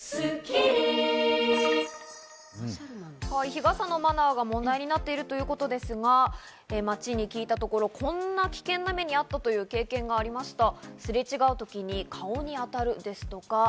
日傘のマナーが問題になっているということですが、街で聞いたところ、こんな危険な目に遭ったという経験がありました。